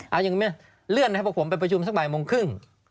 เอาอย่างนี้เลื่อนนะครับพวกผมไปประชุมสักบ่ายโมงครึ่ง